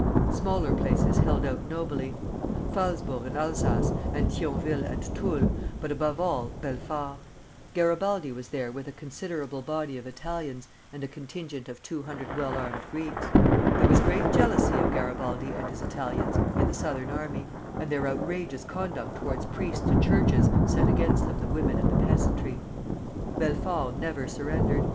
Smaller places held out nobly, Phalsbourg in Alsace, and Thionville and Toul, but above all Belfort. Garibaldi was there with a considerable body of Italians and a contingent of two hundred well armed Greeks. There was great jealousy of Garibaldi and his Italians in the Southern army, and their outrageous conduct towards priests and churches set against them the women and the peasantry. Belfort never surrendered.